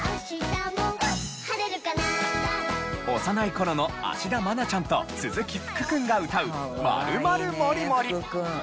幼い頃の芦田愛菜ちゃんと鈴木福君が歌う『マル・マル・モリ・モリ！』。